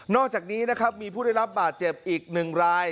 อกจากนี้นะครับมีผู้ได้รับบาดเจ็บอีก๑ราย